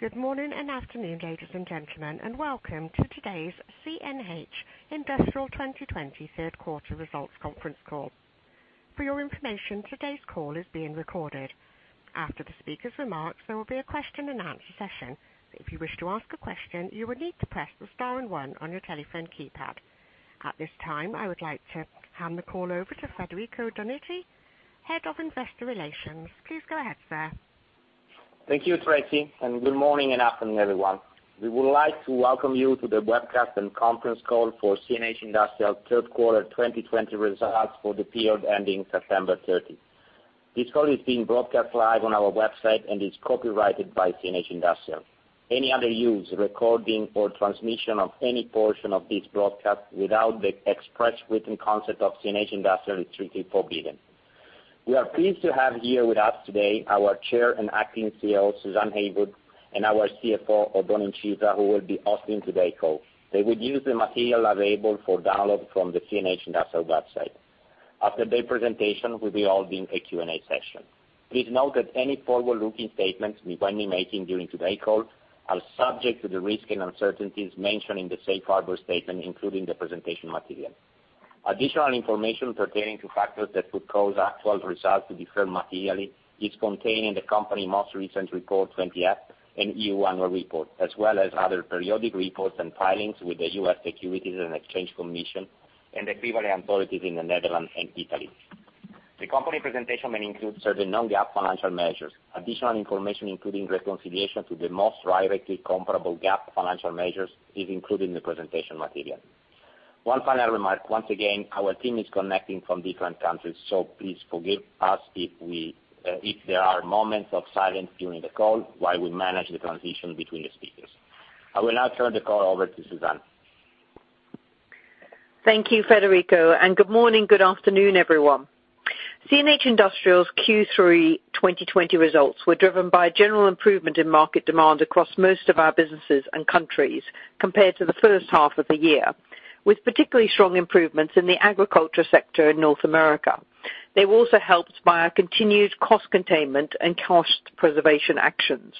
Good morning and afternoon, ladies and gentlemen, and welcome to today's CNH Industrial 2020 Third Quarter Results Conference Call. For your information, today's call is being recorded. After the speaker's remarks, there will be a question-and-answer session. If you wish to ask a question, you will need to press the star and one on your telephone keypad. At this time, I would like to hand the call over to Federico Donati, Head of Investor Relations. Please go ahead, sir. Thank you, Tracy. Good morning and afternoon, everyone. We would like to welcome you to the webcast and conference call for CNH Industrial third quarter 2020 results for the period ending September 30th. This call is being broadcast live on our website and is copyrighted by CNH Industrial. Any other use, recording or transmission of any portion of this broadcast without the express written consent of CNH Industrial is strictly forbidden. We are pleased to have here with us today our Chair and Acting CEO, Suzanne Heywood, and our CFO, Oddone Incisa, who will be hosting today's call. They will use the material available for download from the CNH Industrial website. After their presentation, we'll be holding a Q&A session. Please note that any forward-looking statements we might be making during today's call are subject to the risk and uncertainties mentioned in the safe harbor statement, including the presentation material. Additional information pertaining to factors that could cause actual results to differ materially is contained in the company most recent report 20-F and EU annual report, as well as other periodic reports and filings with the U.S. Securities and Exchange Commission and equivalent authorities in the Netherlands and Italy. The company presentation may include certain non-GAAP financial measures. Additional information, including reconciliation to the most directly comparable GAAP financial measures, is included in the presentation material. One final remark. Once again, our team is connecting from different countries, so please forgive us if there are moments of silence during the call while we manage the transition between the speakers. I will now turn the call over to Suzanne. Thank you, Federico. Good morning, good afternoon, everyone. CNH Industrial's Q3 2020 results were driven by general improvement in market demand across most of our businesses and countries compared to the first half of the year, with particularly strong improvements in the agriculture sector in North America. They were also helped by our continued cost containment and cost preservation actions.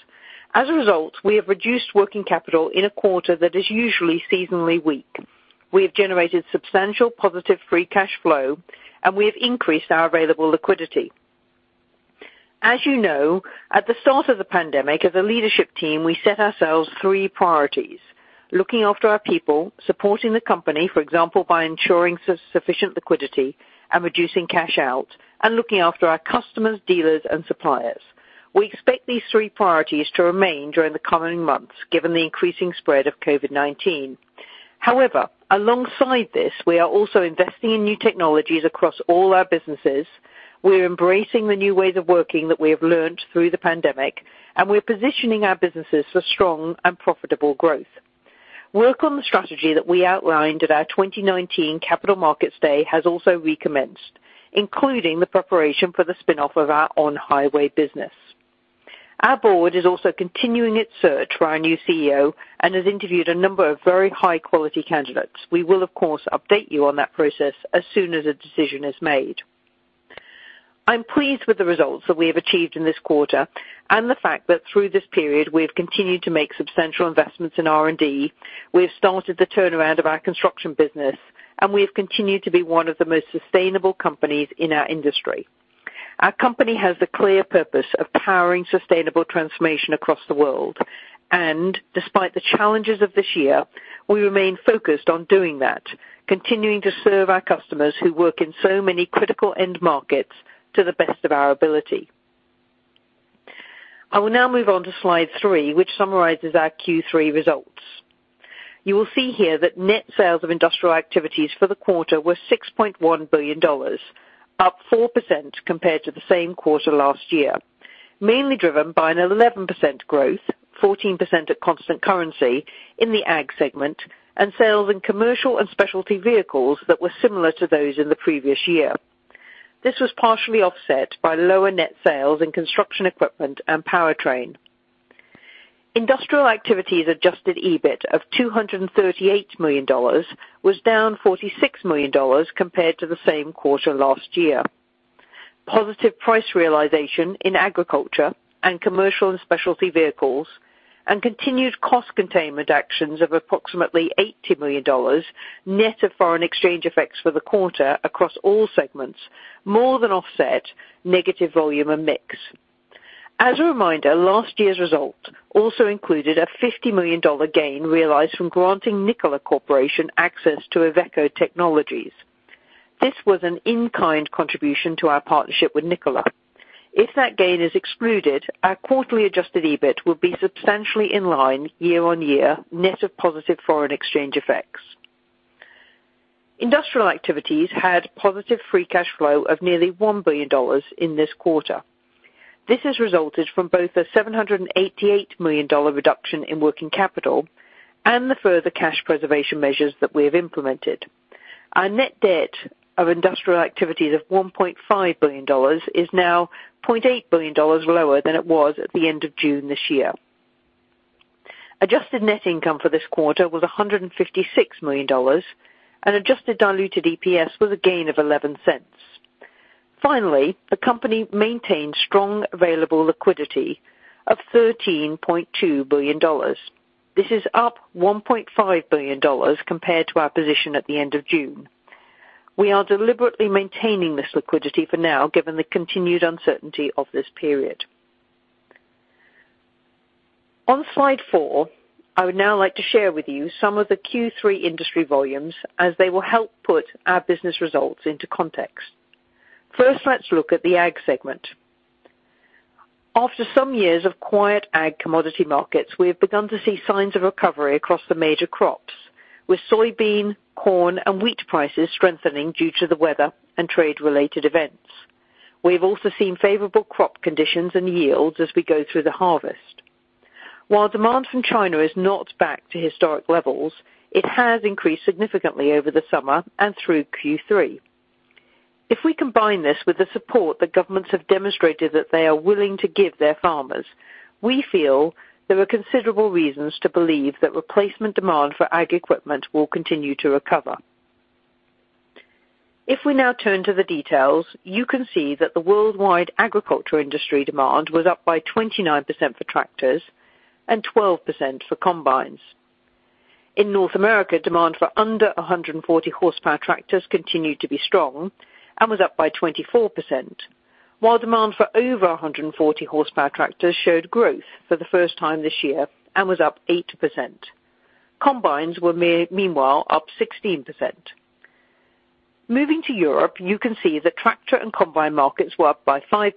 As a result, we have reduced working capital in a quarter that is usually seasonally weak. We have generated substantial positive free cash flow, and we have increased our available liquidity. As you know, at the start of the pandemic, as a leadership team, we set ourselves three priorities: looking after our people, supporting the company, for example, by ensuring sufficient liquidity and reducing cash out, and looking after our customers, dealers, and suppliers. We expect these three priorities to remain during the coming months given the increasing spread of COVID-19. Alongside this, we are also investing in new technologies across all our businesses. We're embracing the new ways of working that we have learned through the pandemic, and we're positioning our businesses for strong and profitable growth. Work on the strategy that we outlined at our 2019 Capital Markets Day has also recommenced, including the preparation for the spin-off of our on-highway business. Our board is also continuing its search for our new CEO and has interviewed a number of very high-quality candidates. We will, of course, update you on that process as soon as a decision is made. I'm pleased with the results that we have achieved in this quarter and the fact that through this period we have continued to make substantial investments in R&D, we have started the turnaround of our construction business, and we have continued to be one of the most sustainable companies in our industry. Our company has the clear purpose of powering sustainable transformation across the world. Despite the challenges of this year, we remain focused on doing that, continuing to serve our customers who work in so many critical end markets to the best of our ability. I will now move on to slide three, which summarizes our Q3 results. You will see here that net sales of industrial activities for the quarter were $6.1 billion, up 4% compared to the same quarter last year. Mainly driven by an 11% growth, 14% at constant currency in the Ag segment, and sales in Commercial and Specialty Vehicles that were similar to those in the previous year. This was partially offset by lower net sales in Construction Equipment and Powertrain. Industrial activities adjusted EBIT of $238 million was down $46 million compared to the same quarter last year. Positive price realization in agriculture and Commercial and Specialty Vehicles and continued cost containment actions of approximately $80 million net of foreign exchange effects for the quarter across all segments more than offset negative volume and mix. As a reminder, last year's result also included a $50 million gain realized from granting Nikola Corporation access to Iveco technologies. This was an in-kind contribution to our partnership with Nikola. If that gain is excluded, our quarterly adjusted EBIT would be substantially in line year-on-year net of positive foreign exchange effects. Industrial activities had positive free cash flow of nearly $1 billion in this quarter. This has resulted from both a $788 million reduction in working capital and the further cash preservation measures that we have implemented. Our net debt of industrial activities of $1.5 billion is now $0.8 billion lower than it was at the end of June this year. Adjusted net income for this quarter was $156 million and adjusted diluted EPS was a gain of $0.11. The company maintained strong available liquidity of $13.2 billion. This is up $1.5 billion compared to our position at the end of June. We are deliberately maintaining this liquidity for now, given the continued uncertainty of this period. On slide four, I would now like to share with you some of the Q3 industry volumes, as they will help put our business results into context. First, let's look at the ag segment. After some years of quiet ag commodity markets, we have begun to see signs of recovery across the major crops, with soybean, corn, and wheat prices strengthening due to the weather and trade-related events. We have also seen favorable crop conditions and yields as we go through the harvest. While demand from China is not back to historic levels, it has increased significantly over the summer and through Q3. If we combine this with the support that governments have demonstrated that they are willing to give their farmers, we feel there are considerable reasons to believe that replacement demand for ag equipment will continue to recover. If we now turn to the details, you can see that the worldwide agriculture industry demand was up by 29% for tractors and 12% for combines. In North America, demand for under 140 horsepower tractors continued to be strong and was up by 24%, while demand for over 140 horsepower tractors showed growth for the first time this year and was up 8%. Combines were meanwhile up 16%. Moving to Europe, you can see the tractor and combine markets were up by 5%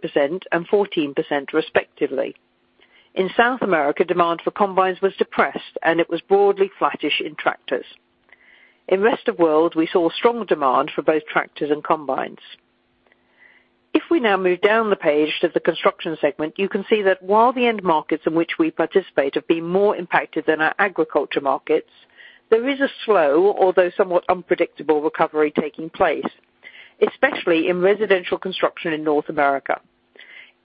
and 14%, respectively. In South America, demand for combines was depressed and it was broadly flattish in tractors. In rest of world, we saw strong demand for both tractors and combines. If we now move down the page to the construction segment, you can see that while the end markets in which we participate have been more impacted than our agriculture markets, there is a slow, although somewhat unpredictable, recovery taking place, especially in residential construction in North America.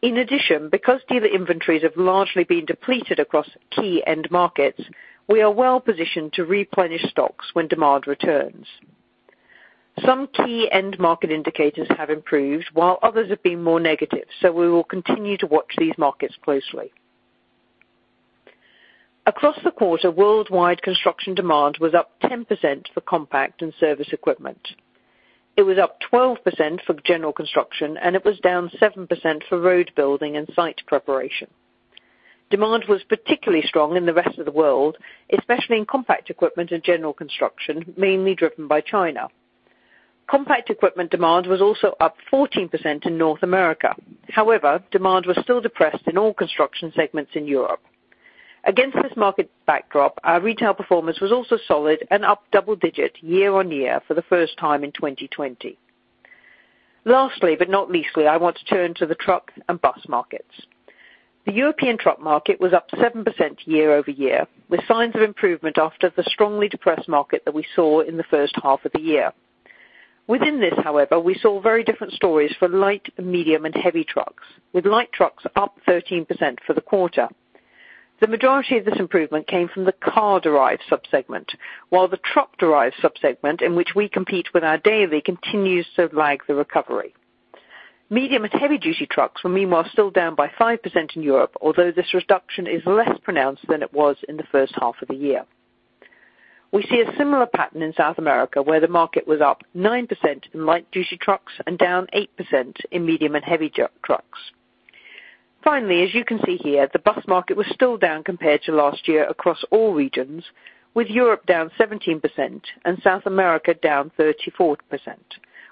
In addition, because dealer inventories have largely been depleted across key end markets, we are well positioned to replenish stocks when demand returns. Some key end market indicators have improved, while others have been more negative, so we will continue to watch these markets closely. Across the quarter, worldwide construction demand was up 10% for compact and service equipment. It was up 12% for general construction, and it was down 7% for road building and site preparation. Demand was particularly strong in the rest of the world, especially in compact equipment and general construction, mainly driven by China. Compact equipment demand was also up 14% in North America. Demand was still depressed in all construction segments in Europe. Against this market backdrop, our retail performance was also solid and up double digit year-on-year for the first time in 2020. Lastly, but not leastly, I want to turn to the truck and bus markets. The European truck market was up 7% year-over-year, with signs of improvement after the strongly depressed market that we saw in the first half of the year. Within this, however, we saw very different stories for light, medium, and heavy trucks, with light trucks up 13% for the quarter. The majority of this improvement came from the car-derived subsegment, while the truck-derived subsegment, in which we compete with our Daily, continues to lag the recovery. Medium and heavy duty trucks were meanwhile still down by 5% in Europe, although this reduction is less pronounced than it was in the first half of the year. We see a similar pattern in South America, where the market was up 9% in light duty trucks and down 8% in medium and heavy duty trucks. Finally, as you can see here, the bus market was still down compared to last year across all regions, with Europe down 17% and South America down 34%.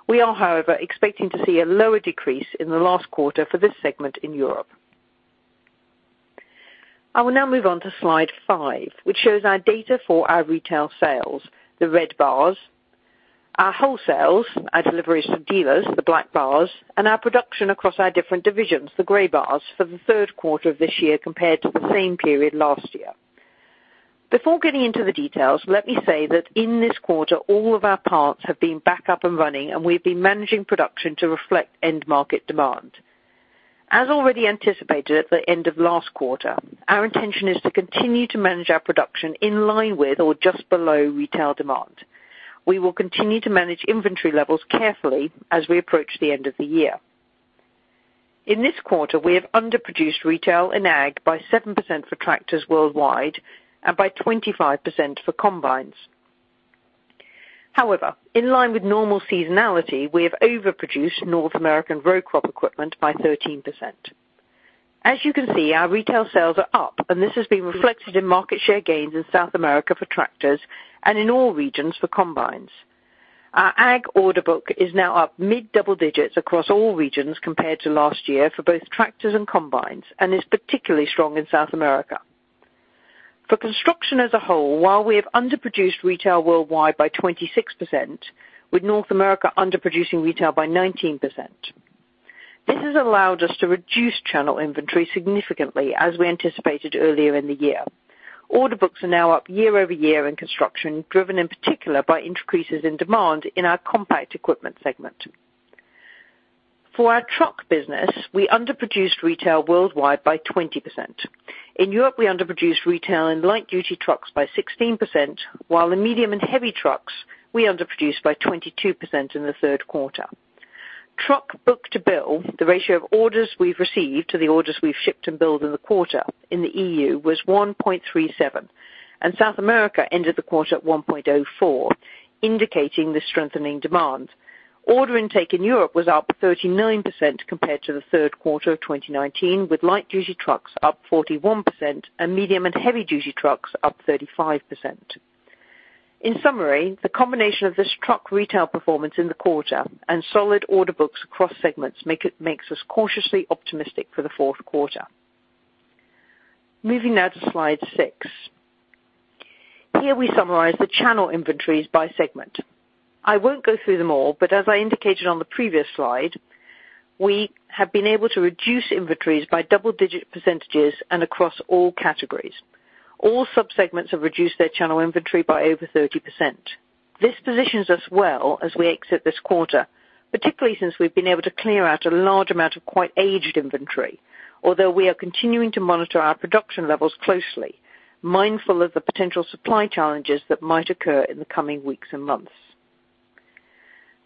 We are, however, expecting to see a lower decrease in the last quarter for this segment in Europe. I will now move on to slide five, which shows our data for our retail sales, the red bars, our wholesales, our deliveries to dealers, the black bars, and our production across our different divisions, the gray bars, for the third quarter of this year compared to the same period last year. Before getting into the details, let me say that in this quarter, all of our parts have been back up and running, and we've been managing production to reflect end market demand. As already anticipated at the end of last quarter, our intention is to continue to manage our production in line with or just below retail demand. We will continue to manage inventory levels carefully as we approach the end of the year. In this quarter, we have underproduced retail and ag by 7% for tractors worldwide and by 25% for combines. In line with normal seasonality, we have overproduced North American row crop equipment by 13%. As you can see, our retail sales are up, and this has been reflected in market share gains in South America for tractors and in all regions for combines. Our ag order book is now up mid-double digits across all regions compared to last year for both tractors and combines and is particularly strong in South America. For construction as a whole, while we have underproduced retail worldwide by 26%, with North America underproducing retail by 19%. This has allowed us to reduce channel inventory significantly as we anticipated earlier in the year. Order books are now up year-over-year in construction, driven in particular by increases in demand in our compact equipment segment. For our truck business, we underproduced retail worldwide by 20%. In Europe, we underproduced retail and light-duty trucks by 16%, while in medium and heavy trucks, we underproduced by 22% in the third quarter. Truck book to bill, the ratio of orders we've received to the orders we've shipped and billed in the quarter in the EU was 1.37, and South America ended the quarter at 1.04, indicating the strengthening demand. Order intake in Europe was up 39% compared to the third quarter of 2019, with light-duty trucks up 41% and medium and heavy-duty trucks up 35%. In summary, the combination of this truck retail performance in the quarter and solid order books across segments makes us cautiously optimistic for the fourth quarter. Moving now to slide six. Here we summarize the channel inventories by segment. I won't go through them all, but as I indicated on the previous slide, we have been able to reduce inventories by double-digit % and across all categories. All sub-segments have reduced their channel inventory by over 30%. This positions us well as we exit this quarter, particularly since we've been able to clear out a large amount of quite aged inventory. Although we are continuing to monitor our production levels closely, mindful of the potential supply challenges that might occur in the coming weeks and months.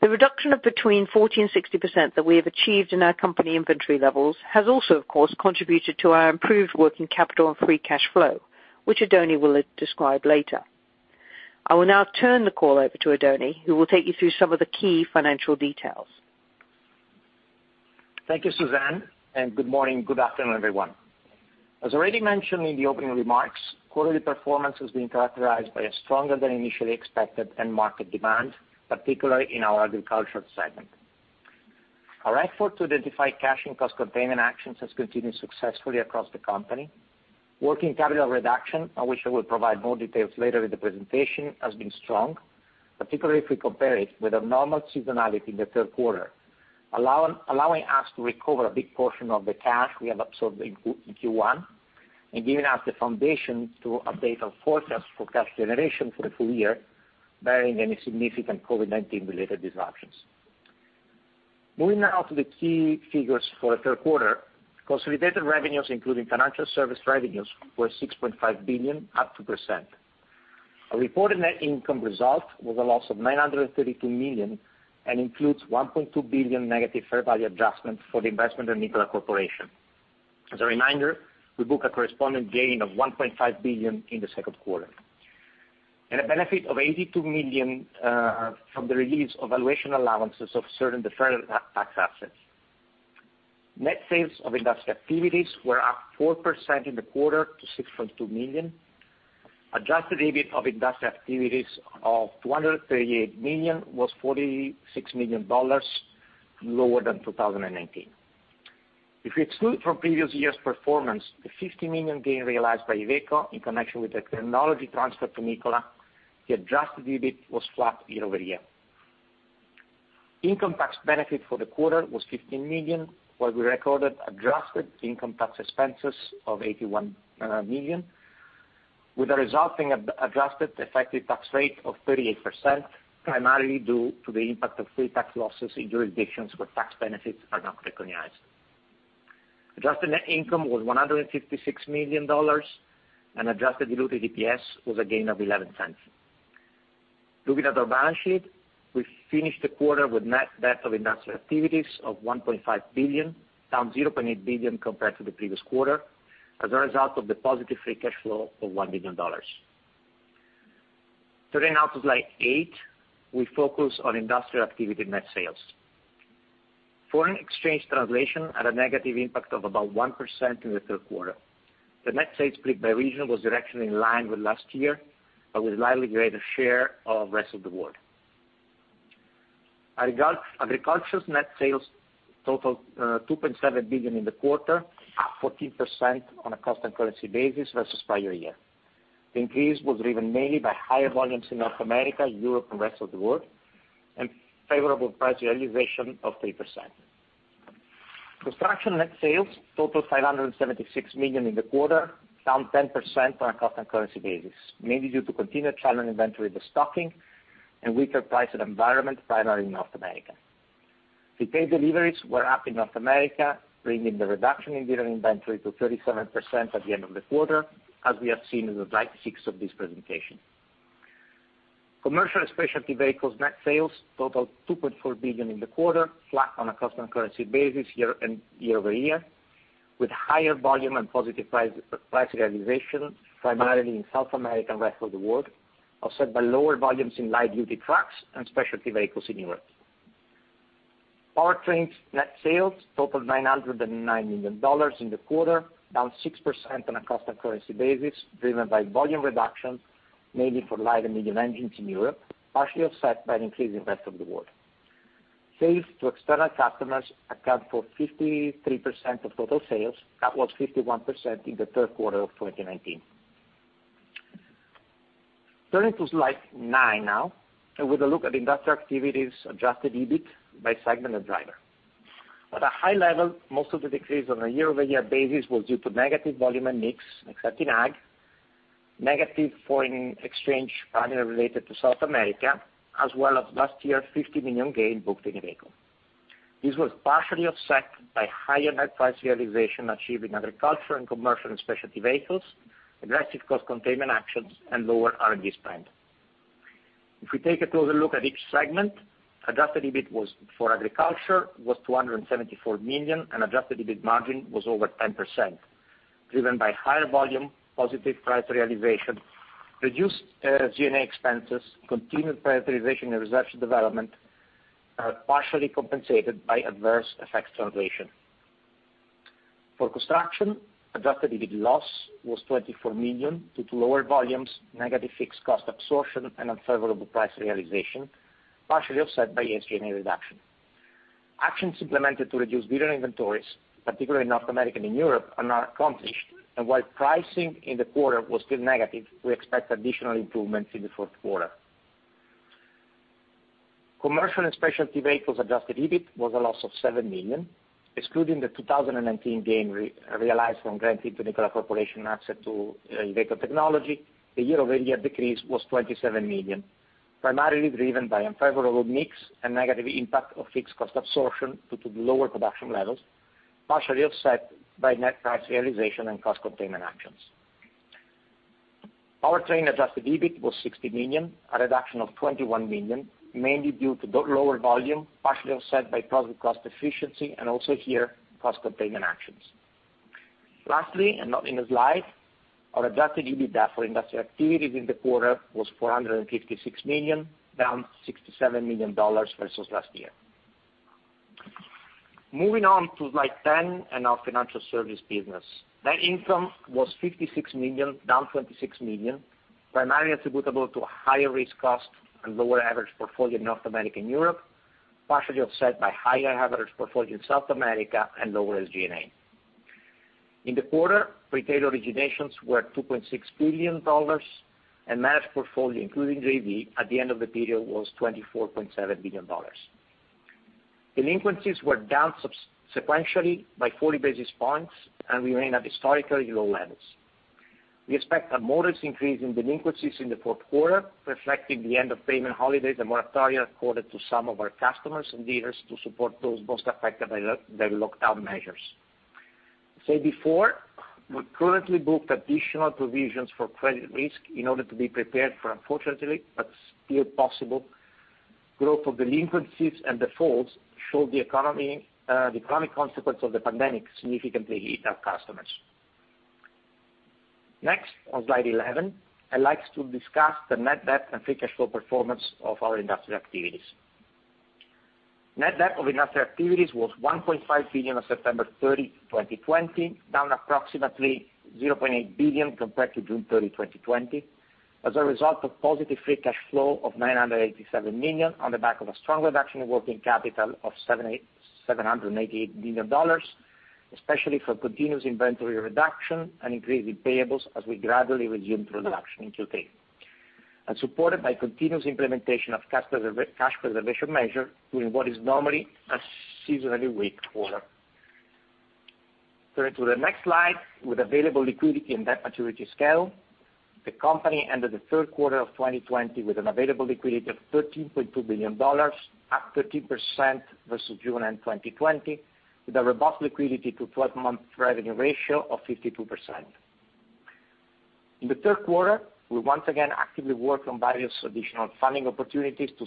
The reduction of between 40% and 60% that we have achieved in our company inventory levels has also, of course, contributed to our improved working capital and free cash flow, which Oddone will describe later. I will now turn the call over to Oddone, who will take you through some of the key financial details. Thank you, Suzanne. Good morning, good afternoon, everyone. As already mentioned in the opening remarks, quarterly performance has been characterized by a stronger than initially expected end market demand, particularly in our agricultural segment. Our effort to identify cash and cost containment actions has continued successfully across the company. Working capital reduction, on which I will provide more details later in the presentation, has been strong, particularly if we compare it with a normal seasonality in the third quarter, allowing us to recover a big portion of the cash we have absorbed in Q1, and giving us the foundation to update our forecast for cash generation for the full-year, barring any significant COVID-19 related disruptions. Moving now to the key figures for the third quarter. Consolidated revenues, including financial service revenues, were $6.5 billion, up 2%. Our reported net income result was a loss of $932 million and includes $1.2 billion negative fair value adjustment for the investment in Nikola Corporation, and a benefit of $82 million from the release of valuation allowances of certain deferred tax assets. As a reminder, we book a corresponding gain of $1.5 billion in the second quarter. Net sales of industrial activities were up 4% in the quarter to $6.2 million. Adjusted EBIT of industrial activities of $238 million was $46 million lower than 2019. If we exclude from previous year's performance the $50 million gain realized by Iveco in connection with the technology transfer to Nikola, the adjusted EBIT was flat year-over-year. Income tax benefit for the quarter was $15 million, while we recorded adjusted income tax expenses of $81 million, with a resulting adjusted effective tax rate of 38%, primarily due to the impact of pre-tax losses in jurisdictions where tax benefits are not recognized. Adjusted net income was $156 million, and adjusted diluted EPS was a gain of $0.11. Looking at our balance sheet, we finished the quarter with net debt of industrial activities of $1.5 billion, down $0.8 billion compared to the previous quarter, as a result of the positive free cash flow of $1 billion. Turning now to slide eight, we focus on industrial activity net sales. Foreign exchange translation had a negative impact of about 1% in the third quarter. The net sales split by region was directionally in line with last year, but with a slightly greater share of rest of the world. Agriculture's net sales totaled $2.7 billion in the quarter, up 14% on a constant currency basis versus prior year. The increase was driven mainly by higher volumes in North America, Europe, and rest of the world, and favorable price realization of 3%. Construction net sales totaled $576 million in the quarter, down 10% on a constant currency basis, mainly due to continued channel inventory restocking and weaker pricing environment, primarily in North America. [inaudible] were up in North America, bringing the reduction in dealer inventory to 37% at the end of the quarter, as we have seen in slide six of this presentation. Commercial specialty vehicles net sales totaled $2.4 billion in the quarter, flat on a constant currency basis year-over-year, with higher volume and positive price realization, primarily in South America and rest of the world, offset by lower volumes in light-duty trucks and specialty vehicles in Europe. Powertrain net sales totaled $909 million in the quarter, down 6% on a constant currency basis, driven by volume reductions, mainly for light and medium engines in Europe, partially offset by an increase in rest of the world. Sales to external customers account for 53% of total sales. That was 51% in the third quarter of 2019. Turning to slide nine now, with a look at industrial activities' adjusted EBIT by segment and driver. At a high level, most of the decrease on a year-over-year basis was due to negative volume and mix, except in ag. Negative foreign exchange primarily related to South America, as well as last year, a $50 million gain booked in Iveco. This was partially offset by higher net price realization achieved in agriculture and commercial and specialty vehicles, aggressive cost containment actions, and lower R&D spend. If we take a closer look at each segment, adjusted EBIT for agriculture was $274 million and adjusted EBIT margin was over 10%, driven by higher volume, positive price realization, reduced SG&A expenses, continued prioritization in research development, partially compensated by adverse FX translation. For construction, adjusted EBIT loss was $24 million due to lower volumes, negative fixed cost absorption, and unfavorable price realization, partially offset by SG&A reduction. Actions implemented to reduce dealer inventories, particularly in North America and Europe, are now accomplished. While pricing in the quarter was still negative, we expect additional improvements in the fourth quarter. Commercial and specialty vehicles adjusted EBIT was a loss of $7 million. Excluding the 2019 gain realized from granting to Nikola Corporation access to Iveco technology, the year-over-year decrease was $27 million, primarily driven by unfavorable mix and negative impact of fixed cost absorption due to lower production levels, partially offset by net price realization and cost containment actions. Powertrain adjusted EBIT was $60 million, a reduction of $21 million, mainly due to lower volume, partially offset by positive cost efficiency and also here, cost containment actions. Lastly, and not in the slide, our adjusted EBIT for industrial activities in the quarter was $456 million, down $67 million versus last year. Moving on to slide 10 and our financial service business. Net income was $56 million, down $26 million, primarily attributable to higher risk cost and lower average portfolio in North America and Europe, partially offset by higher average portfolio in South America and lower SG&A. In the quarter, retail originations were $2.6 billion and managed portfolio, including JV, at the end of the period was $24.7 billion. Delinquencies were down sequentially by 40 basis points and remain at historically low levels. We expect a modest increase in delinquencies in the fourth quarter, reflecting the end of payment holidays and moratoria accorded to some of our customers and dealers to support those most affected by the lockdown measures. As said before, we currently booked additional provisions for credit risk in order to be prepared for, unfortunately, but still possible, growth of delinquencies and defaults should the economy consequence of the pandemic significantly hit our customers. Next, on slide 11, I'd like to discuss the net debt and free cash flow performance of our industrial activities. Net debt of industrial activities was $1.5 billion as of September 30, 2020, down approximately $0.8 billion compared to June 30, 2020, as a result of positive free cash flow of $987 million on the back of a strong reduction in working capital of $788 million, especially for continuous inventory reduction and increase in payables as we gradually resumed production in Q3, and supported by continuous implementation of cash preservation measure during what is normally a seasonally weak quarter. Turning to the next slide with available liquidity and debt maturity schedule. The company ended the third quarter of 2020 with an available liquidity of $13.2 billion, up 13% versus June-end 2020, with a robust liquidity to 12 months revenue ratio of 52%. In the third quarter, we once again actively worked on various additional funding opportunities to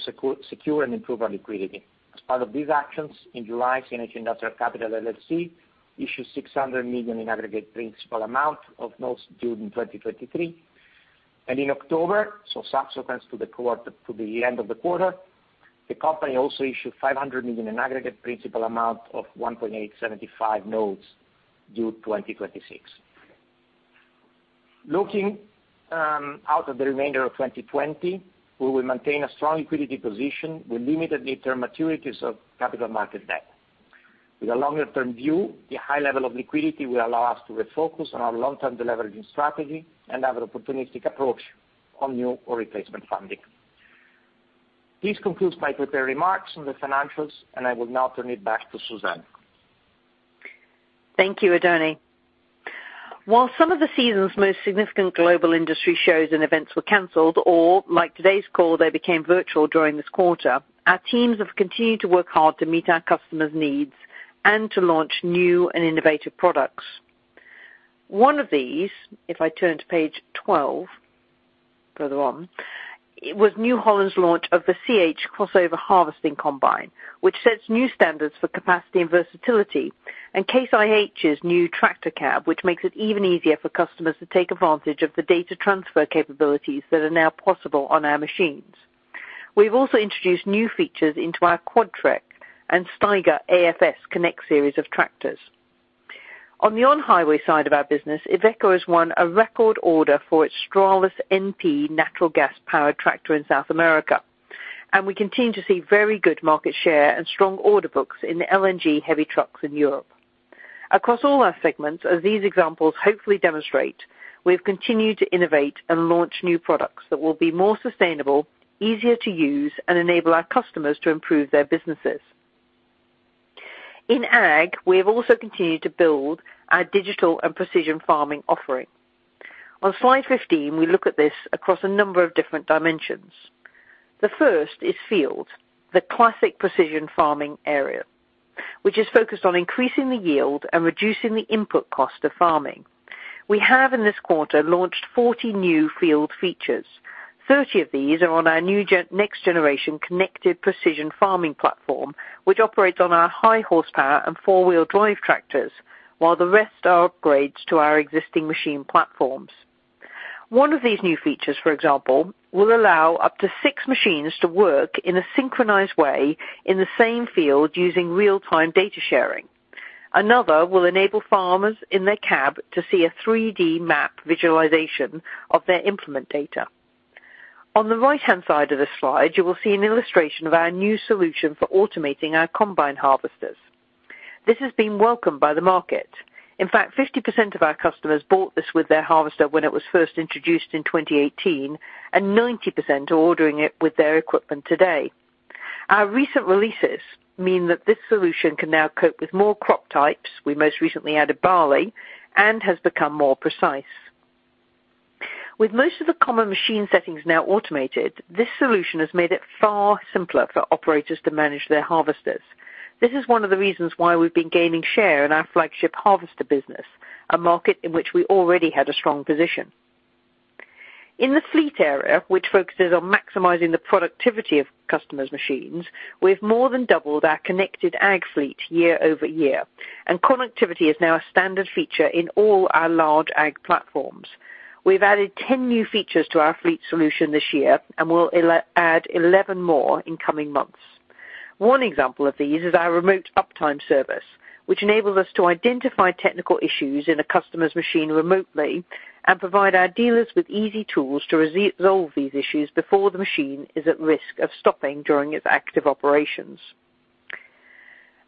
secure and improve our liquidity. As part of these actions, in July, CNH Industrial Capital LLC issued $600 million in aggregate principal amount of notes due in 2023. In October, so subsequent to the end of the quarter, the company also issued $500 million in aggregate principal amount of $1.875 notes due 2026. Looking out at the remainder of 2020, we will maintain a strong liquidity position with limited near-term maturities of capital market debt. With a longer-term view, the high level of liquidity will allow us to refocus on our long-term deleveraging strategy and have an opportunistic approach on new or replacement funding. This concludes my prepared remarks on the financials, I will now turn it back to Suzanne. Thank you, Oddone. While some of the season's most significant global industry shows and events were canceled, or like today's call, they became virtual during this quarter, our teams have continued to work hard to meet our customers' needs and to launch new and innovative products. One of these, if I turn to page 12, further on, was New Holland's launch of the CH Crossover Harvesting Combine, which sets new standards for capacity and versatility, and Case IH's new tractor cab, which makes it even easier for customers to take advantage of the data transfer capabilities that are now possible on our machines. We've also introduced new features into our Quadtrac and Steiger AFS Connect series of tractors. On the on-highway side of our business, Iveco has won a record order for its Stralis NP natural gas-powered tractor in South America, and we continue to see very good market share and strong order books in the LNG heavy trucks in Europe. Across all our segments, as these examples hopefully demonstrate, we have continued to innovate and launch new products that will be more sustainable, easier to use, and enable our customers to improve their businesses. In Ag, we have also continued to build our digital and precision farming offering. On slide 15, we look at this across a number of different dimensions. The first is field, the classic precision farming area, which is focused on increasing the yield and reducing the input cost of farming. We have, in this quarter, launched 40 new field features. 30 of these are on our new next generation connected precision farming platform, which operates on our high horsepower and four-wheel drive tractors, while the rest are upgrades to our existing machine platforms. One of these new features, for example, will allow up to six machines to work in a synchronized way in the same field using real-time data sharing. Another will enable farmers in their cab to see a 3D map visualization of their implement data. On the right-hand side of the slide, you will see an illustration of our new solution for automating our combine harvesters. This has been welcomed by the market. In fact, 50% of our customers bought this with their harvester when it was first introduced in 2018, and 90% are ordering it with their equipment today. Our recent releases mean that this solution can now cope with more crop types, we most recently added barley, and has become more precise. With most of the common machine settings now automated, this solution has made it far simpler for operators to manage their harvesters. This is one of the reasons why we've been gaining share in our flagship harvester business, a market in which we already had a strong position. In the fleet area, which focuses on maximizing the productivity of customers' machines, we've more than doubled our connected Ag fleet year-over-year, and connectivity is now a standard feature in all our large Ag platforms. We've added 10 new features to our fleet solution this year, and we'll add 11 more in coming months. One example of these is our remote uptime service, which enables us to identify technical issues in a customer's machine remotely and provide our dealers with easy tools to resolve these issues before the machine is at risk of stopping during its active operations.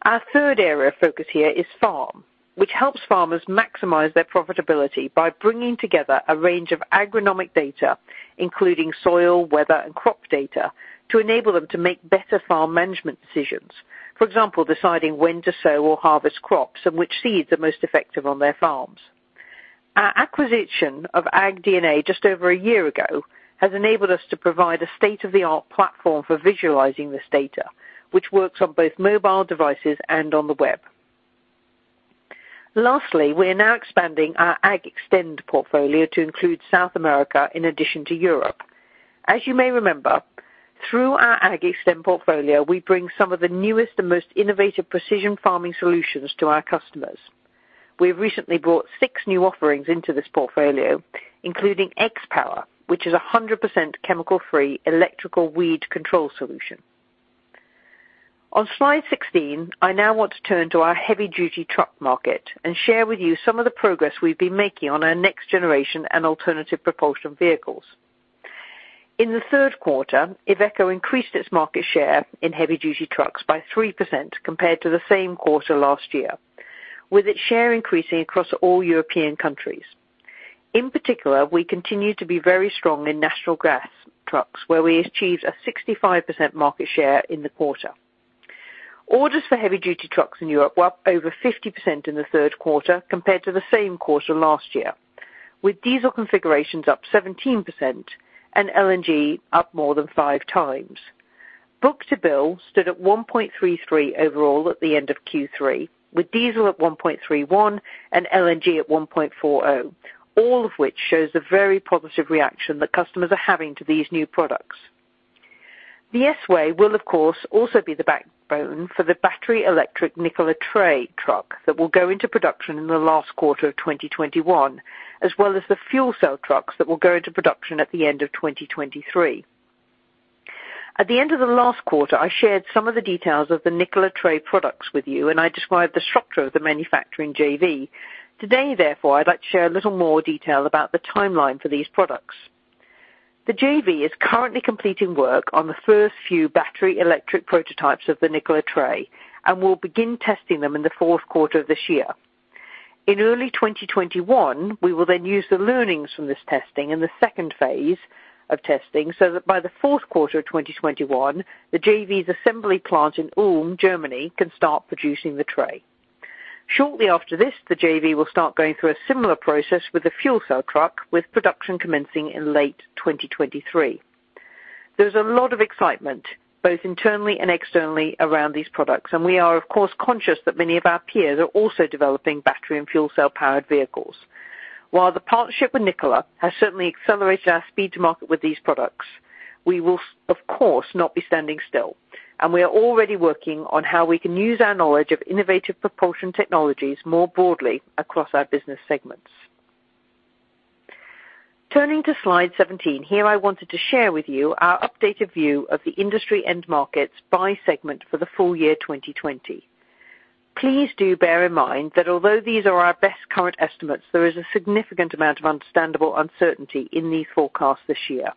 Our third area of focus here is farm, which helps farmers maximize their profitability by bringing together a range of agronomic data, including soil, weather, and crop data, to enable them to make better farm management decisions. For example, deciding when to sow or harvest crops and which seeds are most effective on their farms. Our acquisition of AgDNA just over a year ago has enabled us to provide a state-of-the-art platform for visualizing this data, which works on both mobile devices and on the web. Lastly, we are now expanding our AGXTEND portfolio to include South America in addition to Europe. As you may remember, through our AGXTEND portfolio, we bring some of the newest and most innovative precision farming solutions to our customers. We have recently brought six new offerings into this portfolio, including XPower, which is 100% chemical-free electrical weed control solution. On slide 16, I now want to turn to our heavy-duty truck market and share with you some of the progress we've been making on our next generation and alternative propulsion vehicles. In the third quarter, Iveco increased its market share in heavy-duty trucks by 3% compared to the same quarter last year, with its share increasing across all European countries. In particular, we continue to be very strong in natural gas trucks, where we achieved a 65% market share in the quarter. Orders for heavy duty trucks in Europe were up over 50% in the third quarter compared to the same quarter last year, with diesel configurations up 17% and LNG up more than five times. Book to bill stood at 1.33 overall at the end of Q3, with diesel at 1.31 and LNG at 1.40, all of which shows the very positive reaction that customers are having to these new products. The S-WAY will, of course, also be the backbone for the battery electric Nikola Tre truck that will go into production in the last quarter of 2021, as well as the fuel cell trucks that will go into production at the end of 2023. At the end of the last quarter, I shared some of the details of the Nikola Tre products with you, and I described the structure of the manufacturing JV. Today, I'd like to share a little more detail about the timeline for these products. The JV is currently completing work on the first few battery electric prototypes of the Nikola Tre, and will begin testing them in the fourth quarter of this year. In early 2021, we will use the learnings from this testing in the second phase of testing so that by the fourth quarter of 2021, the JV's assembly plant in Ulm, Germany, can start producing the Tre. Shortly after this, the JV will start going through a similar process with the fuel cell truck with production commencing in late 2023. There's a lot of excitement both internally and externally around these products, and we are of course conscious that many of our peers are also developing battery and fuel cell powered vehicles. While the partnership with Nikola has certainly accelerated our speed to market with these products, we will of course not be standing still, and we are already working on how we can use our knowledge of innovative propulsion technologies more broadly across our business segments. Turning to slide 17, here I wanted to share with you our updated view of the industry end markets by segment for the full-year 2020. Please do bear in mind that although these are our best current estimates, there is a significant amount of understandable uncertainty in these forecasts this year.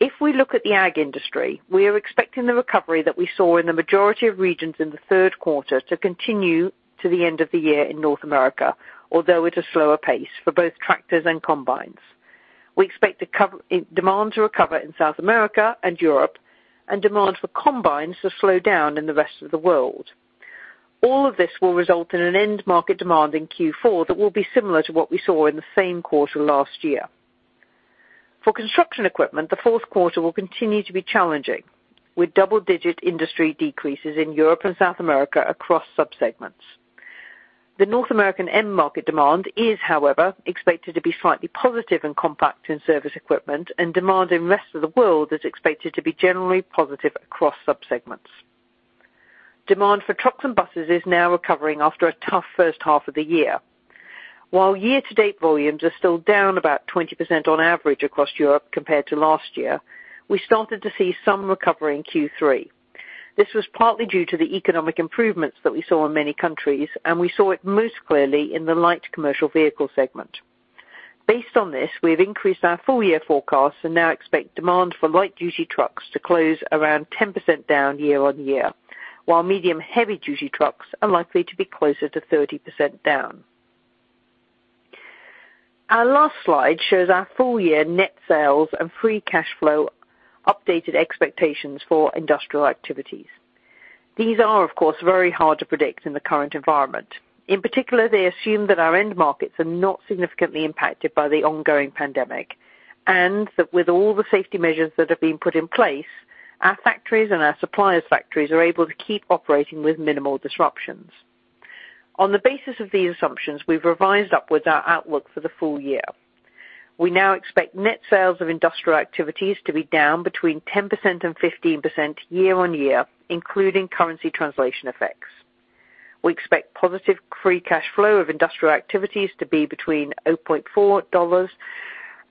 If we look at the Ag industry, we are expecting the recovery that we saw in the majority of regions in the third quarter to continue to the end of the year in North America, although at a slower pace for both tractors and combines. We expect demand to recover in South America and Europe, and demand for combines to slow down in the rest of the world. All of this will result in an end market demand in Q4 that will be similar to what we saw in the same quarter last year. For construction equipment, the fourth quarter will continue to be challenging, with double-digit industry decreases in Europe and South America across sub-segments. The North American end market demand is, however, expected to be slightly positive in compact and service equipment, and demand in rest of the world is expected to be generally positive across sub-segments. Demand for trucks and buses is now recovering after a tough first half of the year. While year-to-date volumes are still down about 20% on average across Europe compared to last year, we started to see some recovery in Q3. This was partly due to the economic improvements that we saw in many countries, and we saw it most clearly in the light commercial vehicle segment. Based on this, we have increased our full-year forecasts and now expect demand for light-duty trucks to close around 10% down year-on-year, while medium-heavy-duty trucks are likely to be closer to 30% down. Our last slide shows our full-year net sales and free cash flow updated expectations for industrial activities. These are, of course, very hard to predict in the current environment. In particular, they assume that our end markets are not significantly impacted by the ongoing pandemic, and that with all the safety measures that have been put in place, our factories and our suppliers' factories are able to keep operating with minimal disruptions. On the basis of these assumptions, we've revised upwards our outlook for the full-year. We now expect net sales of industrial activities to be down between 10%-15% year-on-year, including currency translation effects. We expect positive free cash flow of industrial activities to be between $0.4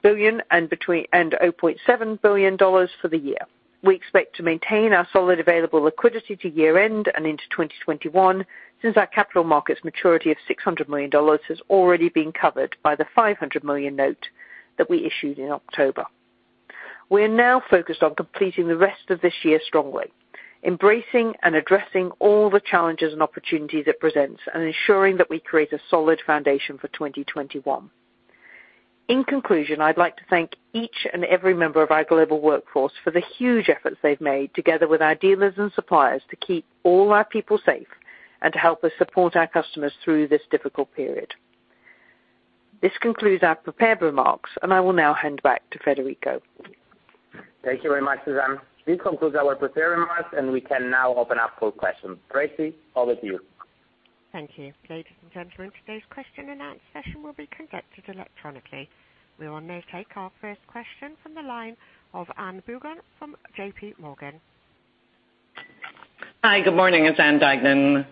billion and $0.7 billion for the year. We expect to maintain our solid available liquidity to year end and into 2021, since our capital markets maturity of $600 million has already been covered by the $500 million note that we issued in October. We are now focused on completing the rest of this year strongly, embracing and addressing all the challenges and opportunities it presents, and ensuring that we create a solid foundation for 2021. In conclusion, I'd like to thank each and every member of our global workforce for the huge efforts they've made, together with our dealers and suppliers, to keep all our people safe and to help us support our customers through this difficult period. This concludes our prepared remarks, and I will now hand back to Federico. Thank you very much, Suzanne. This concludes our prepared remarks, and we can now open up for questions. Tracy, over to you. Thank you. Ladies and gentlemen, today's question-and-answer session will be conducted electronically. We will now take our first question from the line of Ann Duignan from JPMorgan. Hi, good morning. It's Ann Duignan.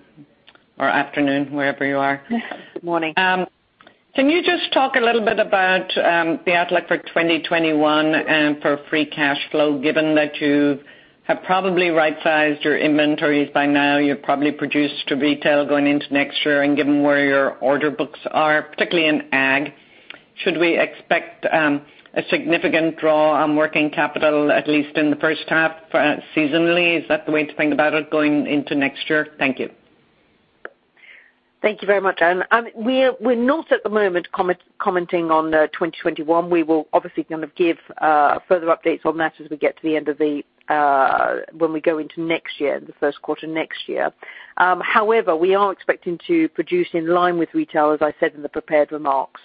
Afternoon, wherever you are. Morning. Can you just talk a little bit about the outlook for 2021 for free cash flow, given that you have probably right-sized your inventories by now, you've probably produced to retail going into next year, and given where your order books are, particularly in ag? Should we expect a significant draw on working capital, at least in the first half seasonally? Is that the way to think about it going into next year? Thank you. Thank you very much, Ann. We're not at the moment commenting on 2021. We will obviously give further updates on that as we get to the end of the, when we go into next year, the first quarter next year. However, we are expecting to produce in line with retail, as I said in the prepared remarks,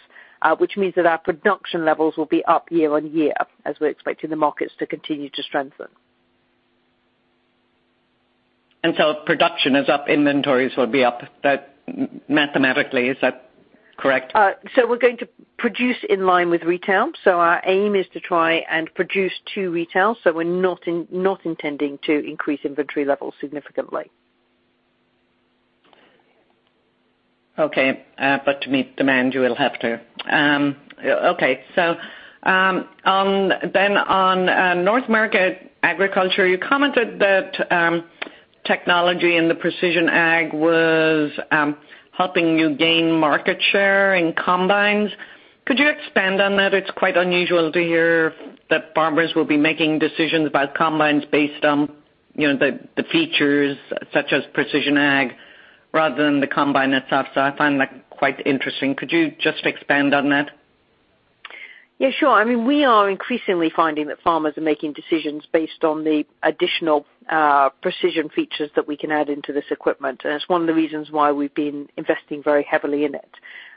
which means that our production levels will be up year-over-year as we're expecting the markets to continue to strengthen. If production is up, inventories will be up. Mathematically, is that correct? We're going to produce in line with retail. Our aim is to try and produce to retail. We're not intending to increase inventory levels significantly. To meet demand, you will have to. On North market agriculture, you commented that technology and the precision ag was helping you gain market share in combines. Could you expand on that? It's quite unusual to hear that farmers will be making decisions about combines based on the features such as precision ag rather than the combine itself. I find that quite interesting. Could you just expand on that? Yeah, sure. We are increasingly finding that farmers are making decisions based on the additional precision features that we can add into this equipment, and it's one of the reasons why we've been investing very heavily in it.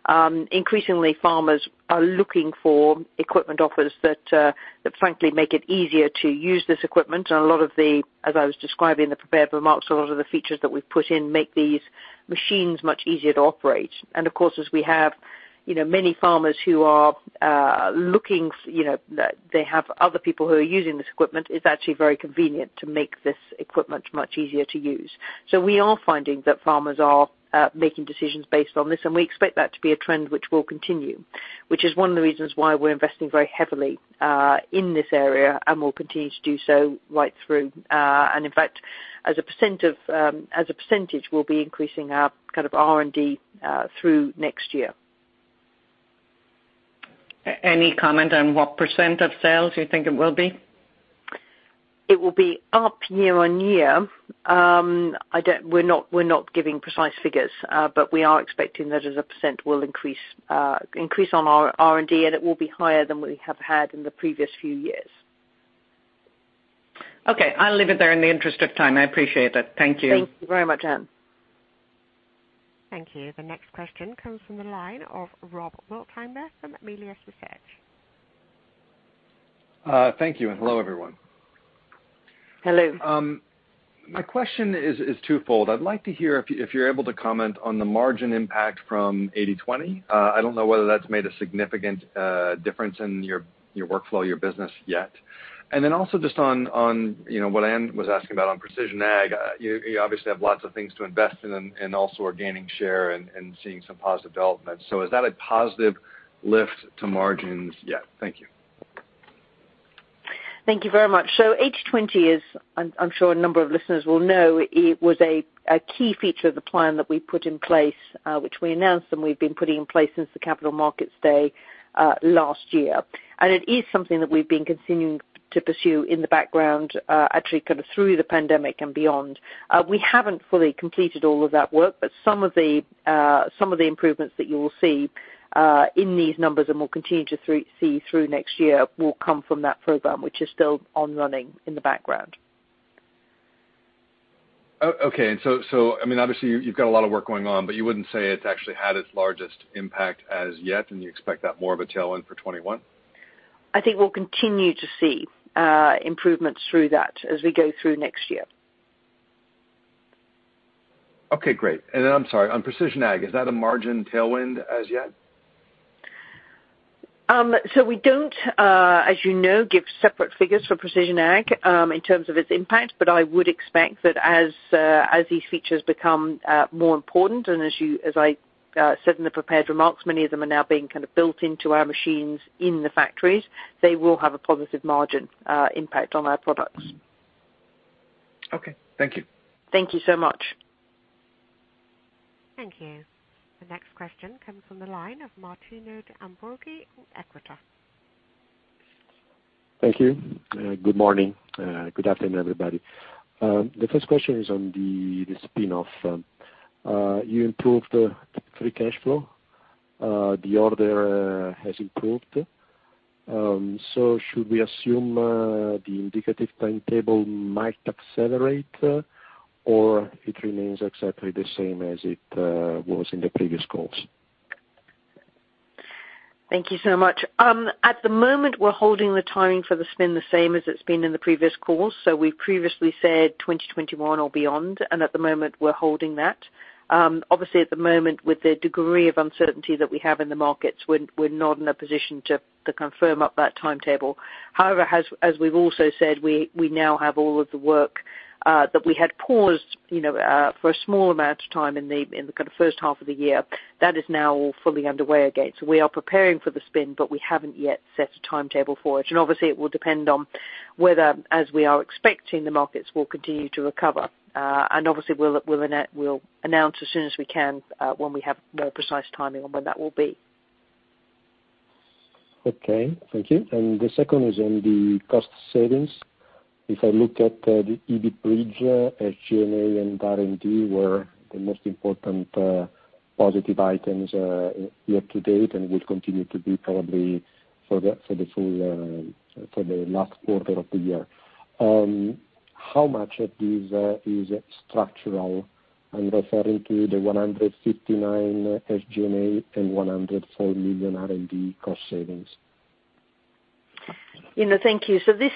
Increasingly, farmers are looking for equipment offers that frankly make it easier to use this equipment. A lot of the, as I was describing in the prepared remarks, a lot of the features that we've put in make these machines much easier to operate. Of course, as we have many farmers who are looking, they have other people who are using this equipment, it's actually very convenient to make this equipment much easier to use. We are finding that farmers are making decisions based on this, and we expect that to be a trend which will continue, which is one of the reasons why we're investing very heavily in this area and will continue to do so right through. In fact, as a percentage, we'll be increasing our R&D through next year. Any comment on what % of sales you think it will be? It will be up year-over-year. We're not giving precise figures, but we are expecting that as a % will increase on our R&D, and it will be higher than we have had in the previous few years. Okay. I'll leave it there in the interest of time. I appreciate it. Thank you. Thank you very much, Ann. Thank you. The next question comes from the line of Rob Wertheimer from Melius Research. Thank you, and hello, everyone. Hello. My question is twofold. I'd like to hear if you're able to comment on the margin impact from 80/20. I don't know whether that's made a significant difference in your workflow, your business yet. Also just on what Ann was asking about on precision ag, you obviously have lots of things to invest in and also are gaining share and seeing some positive developments. Is that a positive lift to margins yet? Thank you. Thank you very much. 80/20 is, I'm sure a number of listeners will know, it was a key feature of the plan that we put in place, which we announced and we've been putting in place since the Capital Markets Day last year. It is something that we've been continuing to pursue in the background, actually kind of through the pandemic and beyond. We haven't fully completed all of that work, but some of the improvements that you will see in these numbers, and we'll continue to see through next year, will come from that program, which is still on running in the background. Okay. Obviously, you've got a lot of work going on, but you wouldn't say it's actually had its largest impact as yet, and you expect that more of a tailwind for 2021? I think we'll continue to see improvements through that as we go through next year. Okay, great. Then, I'm sorry, on precision ag, is that a margin tailwind as yet? We don't, as you know, give separate figures for precision ag, in terms of its impact, but I would expect that as these features become more important, and as I said in the prepared remarks, many of them are now being kind of built into our machines in the factories. They will have a positive margin impact on our products. Okay. Thank you. Thank you so much. Thank you. The next question comes from the line of Martino De Ambroggi, Equita. Thank you. Good morning. Good afternoon, everybody. The first question is on the spin-off. You improved free cash flow. The order has improved. Should we assume the indicative timetable might accelerate, or it remains exactly the same as it was in the previous calls? Thank you so much. At the moment, we're holding the timing for the spin the same as it's been in the previous calls. We previously said 2021 or beyond, and at the moment, we're holding that. Obviously, at the moment, with the degree of uncertainty that we have in the markets, we're not in a position to confirm up that timetable. However, as we've also said, we now have all of the work that we had paused for a small amount of time in the first half of the year. That is now all fully underway again. We are preparing for the spin, but we haven't yet set a timetable for it. Obviously it will depend on whether, as we are expecting, the markets will continue to recover. Obviously we'll announce as soon as we can when we have more precise timing on when that will be. Okay, thank you. The second is on the cost savings. If I look at the EBIT bridge, SG&A and R&D were the most important positive items year to date and will continue to be probably for the last quarter of the year. How much of this is structural? I'm referring to the $159 SG&A and $104 million R&D cost savings. Thank you. This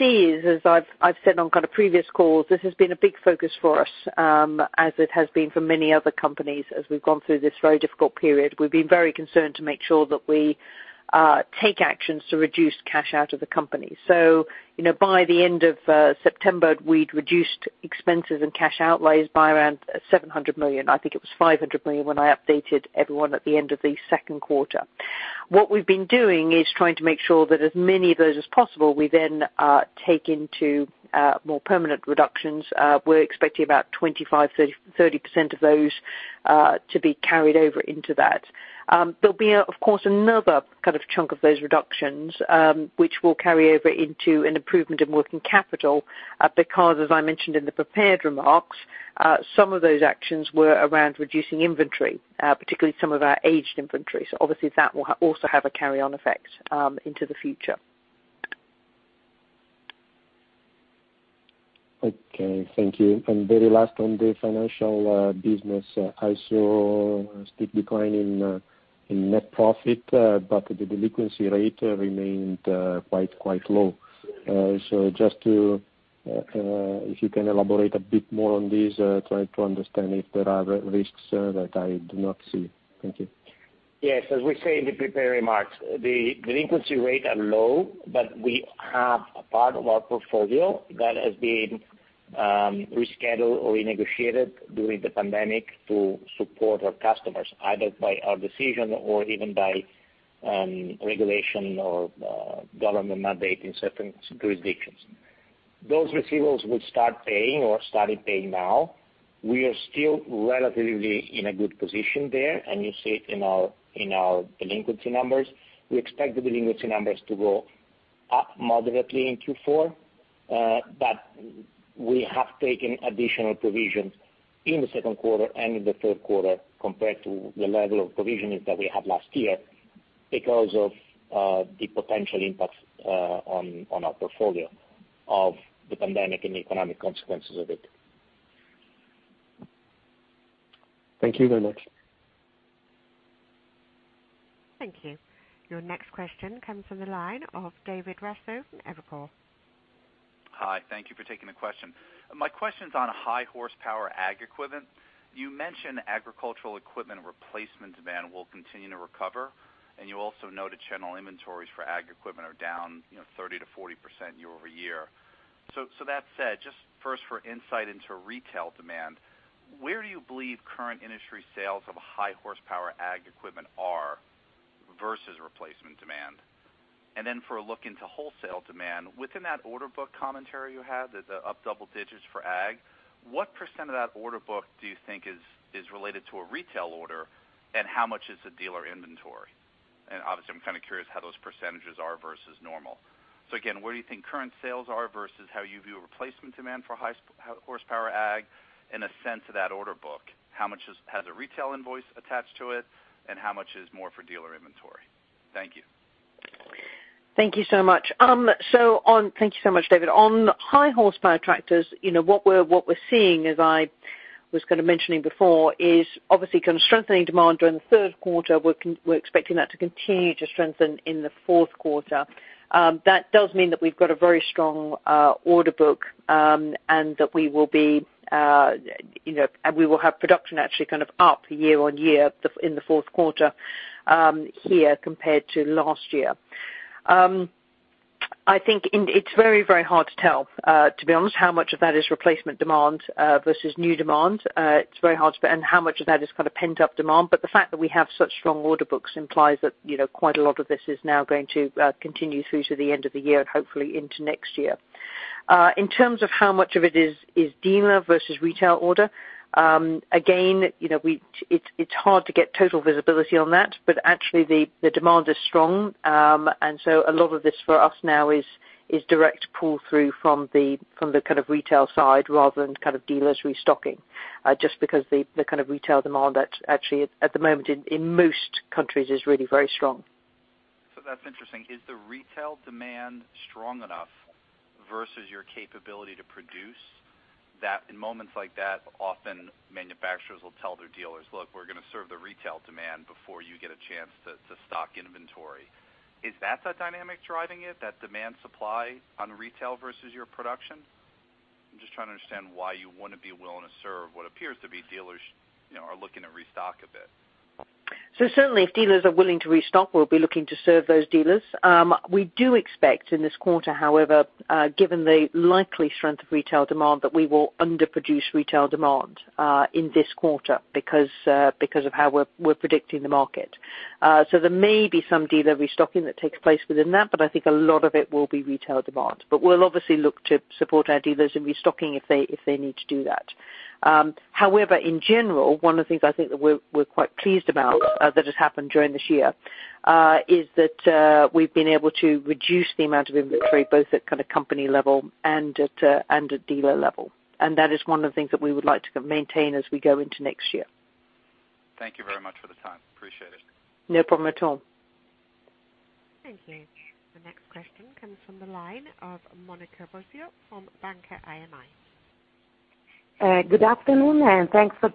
is, as I've said on kind of previous calls, this has been a big focus for us, as it has been for many other companies as we've gone through this very difficult period. We've been very concerned to make sure that we take actions to reduce cash out of the company. By the end of September, we had reduced expenses and cash outlays by around $700 million. I think it was $500 million when I updated everyone at the end of the second quarter. What we've been doing is trying to make sure that as many of those as possible, we then take into more permanent reductions. We're expecting about 25%-30% of those to be carried over into that. There'll be, of course, another kind of chunk of those reductions, which will carry over into an improvement in working capital, because as I mentioned in the prepared remarks, some of those actions were around reducing inventory, particularly some of our aged inventory. Obviously that will also have a carry-on effect into the future. Okay, thank you. Very last on the financial business. I saw a steep decline in net profit, but the delinquency rate remained quite low. Just if you can elaborate a bit more on this, try to understand if there are risks that I do not see. Thank you. Yes. As we say in the prepared remarks, the delinquency rate are low, but we have a part of our portfolio that has been rescheduled or renegotiated during the pandemic to support our customers, either by our decision or even by regulation or government mandate in certain jurisdictions. Those receivables will start paying or started paying now. We are still relatively in a good position there, and you see it in our delinquency numbers. We expect the delinquency numbers to go up moderately in Q4, but we have taken additional provisions in the second quarter and in the third quarter compared to the level of provisions that we had last year because of the potential impact on our portfolio of the pandemic and the economic consequences of it. Thank you very much. Thank you. Your next question comes from the line of David Raso from Evercore. Hi. Thank you for taking the question. My question's on high horsepower ag equipment. You mentioned agricultural equipment replacement demand will continue to recover, and you also noted channel inventories for ag equipment are down 30%-40% year-over-year. That said, just first for insight into retail demand, where do you believe current industry sales of high horsepower ag equipment are versus replacement demand? Then for a look into wholesale demand, within that order book commentary you had, the up double digits for ag, what % of that order book do you think is related to a retail order, and how much is the dealer inventory? Obviously, I'm kind of curious how those percentages are versus normal. Again, where do you think current sales are versus how you view replacement demand for high horsepower ag, and a sense of that order book? How much has a retail invoice attached to it, and how much is more for dealer inventory? Thank you. Thank you so much, David. On high horsepower tractors, what we're seeing, as I was kind of mentioning before, is obviously kind of strengthening demand during the third quarter. We're expecting that to continue to strengthen in the fourth quarter. That does mean that we've got a very strong order book, and we will have production actually kind of up year on year in the fourth quarter here compared to last year. I think it's very hard to tell, to be honest, how much of that is replacement demand versus new demand, and how much of that is kind of pent-up demand. The fact that we have such strong order books implies that quite a lot of this is now going to continue through to the end of the year and hopefully into next year. In terms of how much of it is dealer versus retail order, again, it's hard to get total visibility on that, but actually the demand is strong. A lot of this for us now is direct pull-through from the kind of retail side rather than kind of dealers restocking, just because the kind of retail demand that actually at the moment in most countries is really very strong. That's interesting. Is the retail demand strong enough versus your capability to produce? In moments like that, often manufacturers will tell their dealers, "Look, we're going to serve the retail demand before you get a chance to stock inventory." Is that the dynamic driving it, that demand supply on retail versus your production? I'm just trying to understand why you want to be willing to serve what appears to be dealers are looking to restock a bit. Certainly if dealers are willing to restock, we'll be looking to serve those dealers. We do expect in this quarter, however, given the likely strength of retail demand, that we will underproduce retail demand, in this quarter because of how we're predicting the market. There may be some dealer restocking that takes place within that, but I think a lot of it will be retail demand. We'll obviously look to support our dealers in restocking if they need to do that. However, in general, one of the things I think that we're quite pleased about that has happened during this year, is that we've been able to reduce the amount of inventory, both at kind of company level and at dealer level. That is one of the things that we would like to maintain as we go into next year. Thank you very much for the time. Appreciate it. No problem at all. Thank you. The next question comes from the line of Monica Bosio from Banca IMI. Good afternoon, and thanks for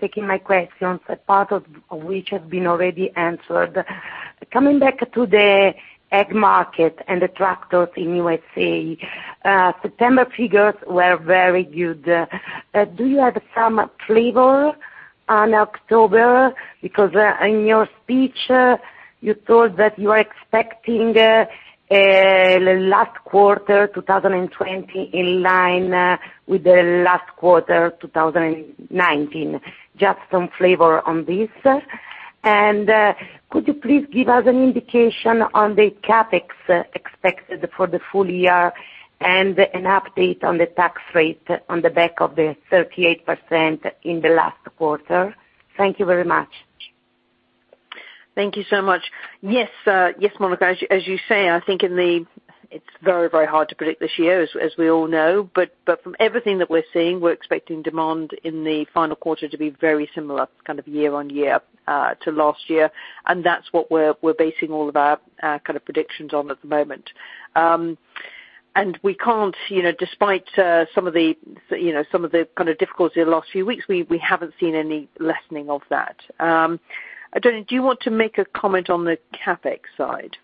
taking my questions, part of which have been already answered. Coming back to the ag market and the tractors in USA, September figures were very good. Do you have some flavor on October? Because in your speech, you thought that you are expecting last quarter 2020 in line with the last quarter 2019. Just some flavor on this. Could you please give us an indication on the CapEx expected for the full-year and an update on the tax rate on the back of the 38% in the last quarter? Thank you very much. Thank you so much. Yes, Monica. As you say, I think it's very hard to predict this year, as we all know. From everything that we're seeing, we're expecting demand in the final quarter to be very similar kind of year-on-year to last year, and that's what we're basing all of our kind of predictions on at the moment. We can't, despite some of the kind of difficulty the last few weeks, we haven't seen any lessening of that. Do you want to make a comment on the CapEx side?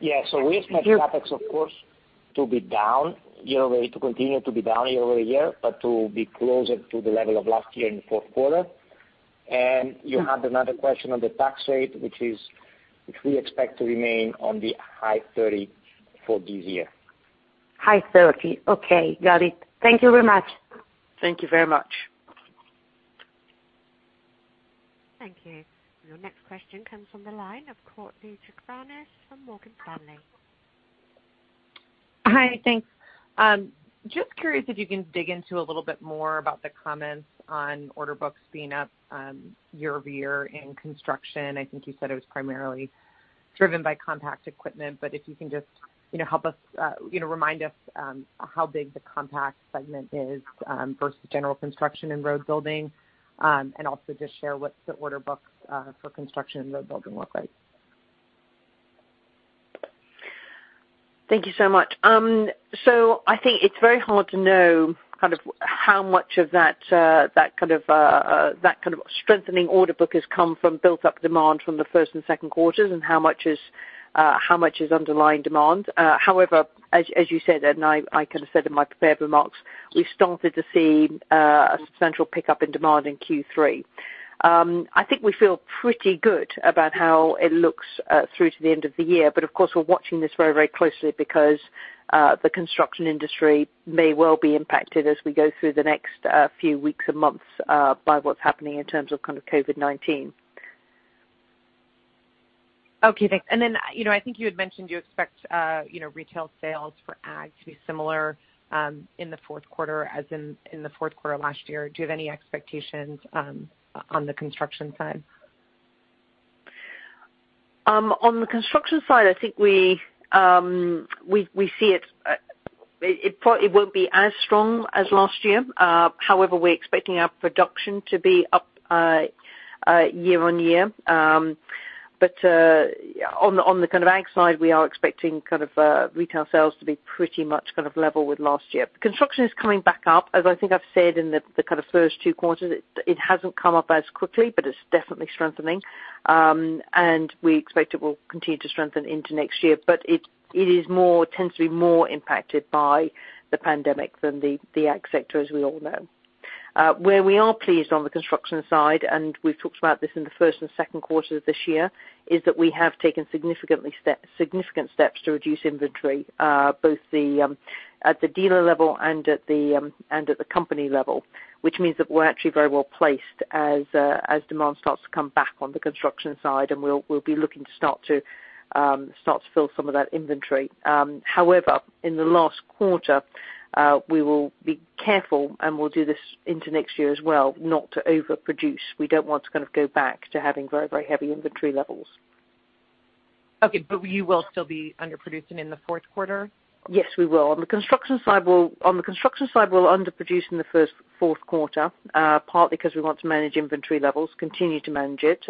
We expect CapEx, of course, to continue to be down year-over-year, but to be closer to the level of last year in the fourth quarter. You had another question on the tax rate, which we expect to remain on the high 30% for this year. High 30. Okay, got it. Thank you very much. Thank you very much. Thank you. Your next question comes from the line of Courtney O'Brien from Morgan Stanley. Hi. Thanks. Just curious if you can dig into a little bit more about the comments on order books being up year-over-year in construction. I think you said it was primarily driven by compact equipment, but if you can just remind us how big the compact segment is versus general construction and road building, and also just share what the order books for construction and road building look like. Thank you so much. I think it's very hard to know how much of that kind of strengthening order book has come from built-up demand from the first and second quarters and how much is underlying demand. However, as you said, and I said in my prepared remarks, we've started to see a substantial pickup in demand in Q3. I think we feel pretty good about how it looks through to the end of the year. Of course, we're watching this very closely because the construction industry may well be impacted as we go through the next few weeks and months by what's happening in terms of COVID-19. Okay, thanks. I think you had mentioned you expect retail sales for ag to be similar in the fourth quarter as in the fourth quarter last year. Do you have any expectations on the construction side? On the construction side, I think we see it won't be as strong as last year. However, we're expecting our production to be up year-on-year. On the ag side, we are expecting retail sales to be pretty much level with last year. Construction is coming back up, as I think I've said in the first two quarters. It hasn't come up as quickly, but it's definitely strengthening. We expect it will continue to strengthen into next year. It tends to be more impacted by the pandemic than the ag sector, as we all know. Where we are pleased on the construction side, and we've talked about this in the first and second quarters of this year, is that we have taken significant steps to reduce inventory, both at the dealer level and at the company level, which means that we're actually very well-placed as demand starts to come back on the construction side, and we'll be looking to start to fill some of that inventory. However, in the last quarter, we will be careful, and we'll do this into next year as well, not to overproduce. We don't want to go back to having very heavy inventory levels. Okay, you will still be underproducing in the fourth quarter? Yes, we will. On the construction side, we'll underproduce in the first fourth quarter, partly because we want to manage inventory levels, continue to manage it.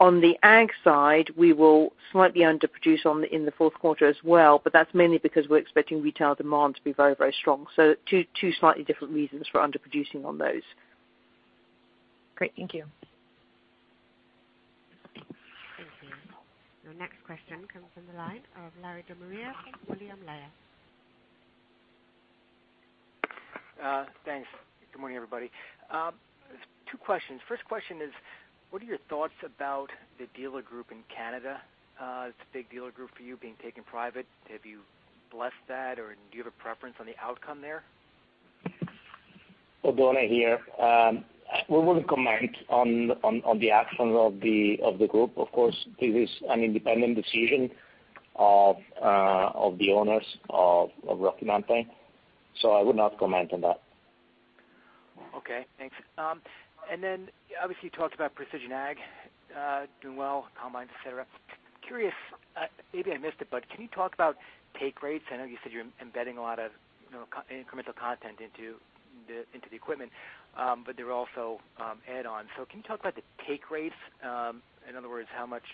On the ag side, we will slightly underproduce in the fourth quarter as well, but that's mainly because we're expecting retail demand to be very strong. Two slightly different reasons for underproducing on those. Great. Thank you. Thank you. Your next question comes from the line of Larry DeMaria from William Blair. Thanks. Good morning, everybody. Two questions. First question is, what are your thoughts about the dealer group in Canada? It's a big dealer group for you being taken private. Have you blessed that, or do you have a preference on the outcome there? Oddone here. We wouldn't comment on the actions of the group. Of course, this is an independent decision of the owners of Rocky Mountain, I would not comment on that. Okay, thanks. Obviously, you talked about Precision ag doing well, combines, et cetera. Curious, maybe I missed it, but can you talk about take rates? I know you said you're embedding a lot of incremental content into the equipment, but there are also add-ons. Can you talk about the take rates? In other words, how much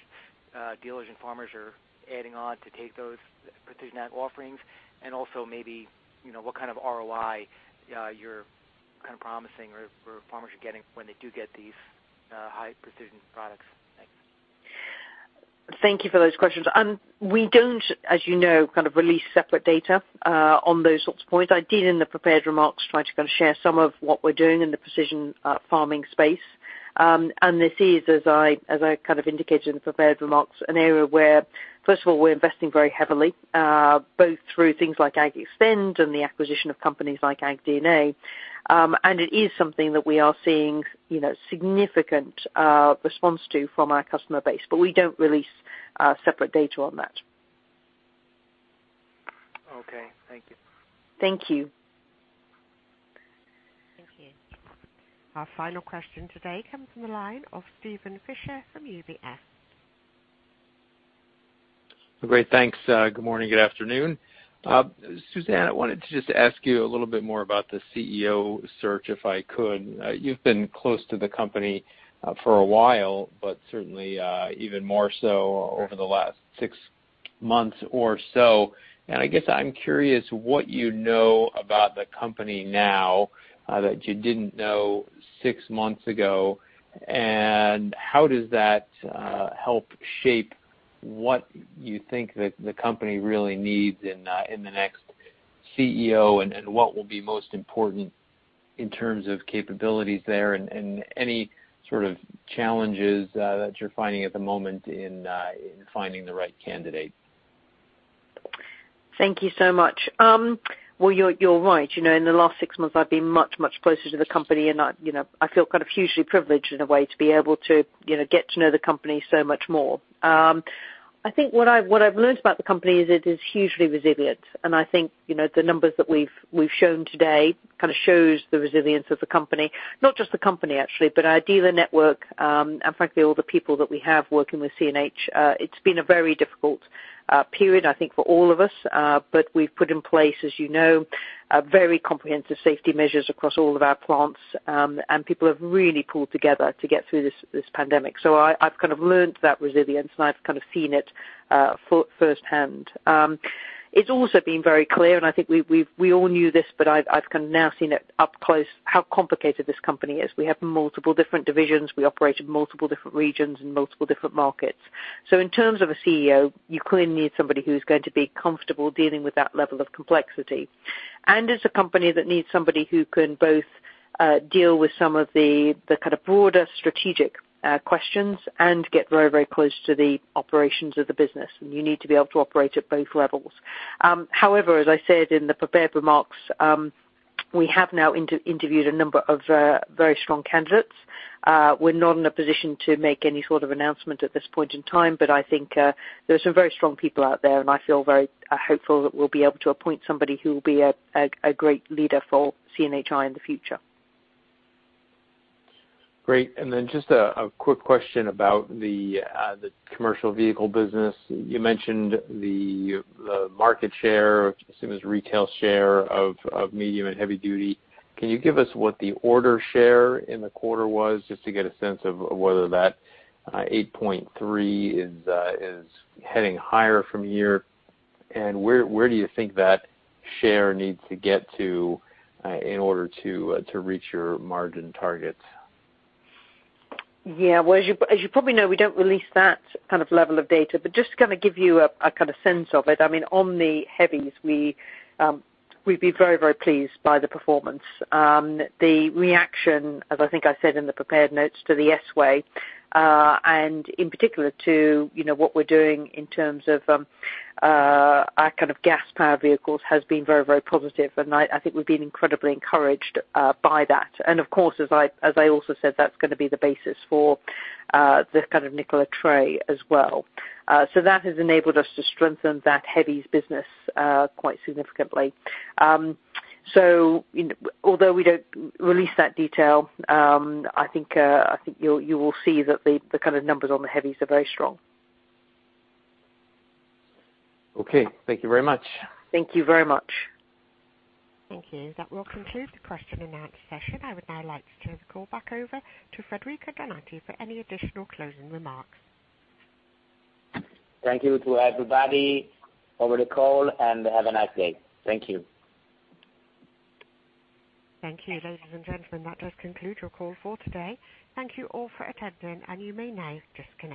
dealers and farmers are adding on to take those Precision ag offerings. What kind of ROI you're promising or farmers are getting when they do get these high-precision products. Thanks. Thank you for those questions. We don't, as you know, release separate data on those sorts of points. I did in the prepared remarks try to share some of what we're doing in the precision farming space. This is, as I indicated in the prepared remarks, an area where, first of all, we're investing very heavily, both through things like AGXTEND and the acquisition of companies like AgDNA, and it is something that we are seeing significant response to from our customer base. We don't release separate data on that. Okay. Thank you. Thank you. Thank you. Our final question today comes from the line of Steven Fisher from UBS. Great, thanks. Good morning, good afternoon. Suzanne, I wanted to just ask you a little bit more about the CEO search, if I could. You've been close to the company for a while, but certainly even more so over the last six months or so. I guess I'm curious what you know about the company now that you didn't know six months ago, and how does that help shape what you think that the company really needs in the next CEO, and what will be most important in terms of capabilities there, and any sort of challenges that you're finding at the moment in finding the right candidate? Thank you so much. Well, you're right. In the last six months, I've been much, much closer to the company, and I feel hugely privileged in a way to be able to get to know the company so much more. I think what I've learned about the company is it is hugely resilient, and I think the numbers that we've shown today kind of shows the resilience of the company. Not just the company, actually, but our dealer network, frankly, all the people that we have working with CNH. It's been a very difficult period, I think, for all of us. We've put in place, as you know, very comprehensive safety measures across all of our plants. People have really pulled together to get through this pandemic. I've kind of learned that resilience, and I've kind of seen it firsthand. It's also been very clear, and I think we all knew this, but I've now seen it up close how complicated this company is. We have multiple different divisions. We operate in multiple different regions and multiple different markets. In terms of a CEO, you clearly need somebody who's going to be comfortable dealing with that level of complexity. It's a company that needs somebody who can both deal with some of the kind of broader strategic questions and get very, very close to the operations of the business, and you need to be able to operate at both levels. However, as I said in the prepared remarks, we have now interviewed a number of very strong candidates. We're not in a position to make any sort of announcement at this point in time, but I think there are some very strong people out there, and I feel very hopeful that we'll be able to appoint somebody who will be a great leader for CNHI in the future. Great. Just a quick question about the commercial vehicle business. You mentioned the market share, I assume it's retail share of medium and heavy duty. Can you give us what the order share in the quarter was, just to get a sense of whether that 8.3 is heading higher from here? Where do you think that share needs to get to in order to reach your margin targets? Yeah. As you probably know, we don't release that kind of level of data, but just to give you a sense of it, on the heavies, we've been very, very pleased by the performance. The reaction, as I think I said in the prepared notes to the S-WAY, and in particular to what we're doing in terms of our gas-powered vehicles, has been very, very positive. I think we've been incredibly encouraged by that. Of course, as I also said, that's going to be the basis for the Nikola Tre as well. That has enabled us to strengthen that heavies business quite significantly. Although we don't release that detail, I think you will see that the kind of numbers on the heavies are very strong. Okay. Thank you very much. Thank you very much. Thank you. That will conclude the question-and-answer session. I would now like to turn the call back over to Federico Donati for any additional closing remarks. Thank you to everybody over the call, and have a nice day. Thank you. Thank you. Ladies and gentlemen, that does conclude your call for today. Thank you all for attending, and you may now disconnect.